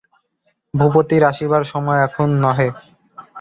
ভূপতির আসিবার সময় এখন নহে।